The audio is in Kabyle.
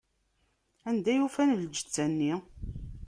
Anda ufan lǧetta-nni?